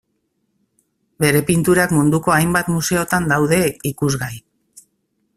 Bere pinturak munduko hainbat museotan daude ikusgai.